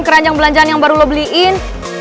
keranjang belanjaan yang baru lo beliin